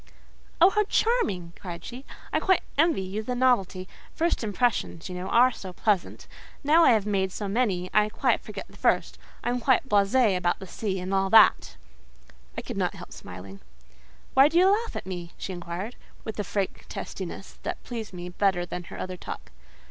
"Oh, how charming!" cried she. "I quite envy you the novelty: first impressions, you know, are so pleasant. Now I have made so many, I quite forget the first: I am quite blasée about the sea and all that." I could not help smiling. "Why do you laugh at me?" she inquired, with a frank testiness that pleased me better than her other talk.